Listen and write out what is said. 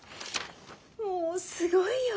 もうすごいよ。